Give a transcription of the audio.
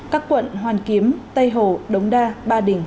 các quận hoàn kiếm tây hồ đống đa ba đình